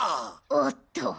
おっと。